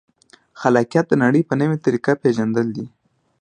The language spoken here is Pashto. خلاقیت د نړۍ په نوې طریقه پېژندل دي.